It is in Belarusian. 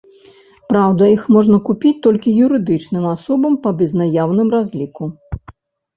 Праўда, іх можна купіць толькі юрыдычным асобам па безнаяўным разліку.